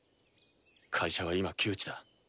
会社は今窮地だ。